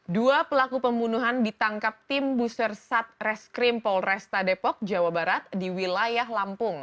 dua pelaku pembunuhan ditangkap tim busersat reskrim polresta depok jawa barat di wilayah lampung